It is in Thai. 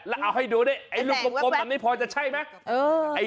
แล้วเอาให้ดูดิไอ้ลูกกลมแบบนี้พอจะใช่ไหม